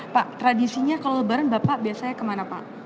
pak tradisinya kalau lebaran bapak biasanya kemana pak